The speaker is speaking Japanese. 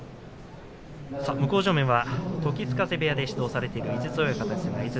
向正面は時津風部屋で指導されている井筒親方です。